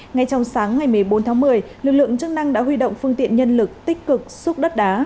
ngay trong sáng ngày một mươi bốn tháng một mươi lực lượng chức năng đã huy động phương tiện nhân lực tích cực xúc đất đá